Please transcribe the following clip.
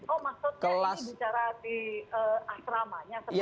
oh maksudnya ini bicara di asramanya